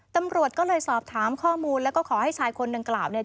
ตำรวจก็เลยสอบถามข้อมูลแล้วก็ขอให้ชายคนดังกล่าวเนี่ย